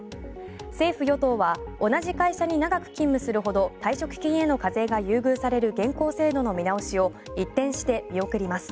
政府・与党は同じ会社に長く勤務するほど退職金への課税が優遇される現行制度の見直しを一転して見送ります。